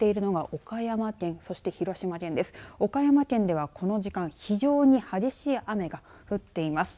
岡山県ではこの時間非常に激しい雨が降っています。